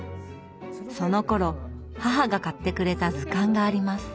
そのころ母が買ってくれた図鑑があります。